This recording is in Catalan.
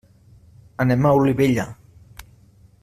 Anem a Olivella.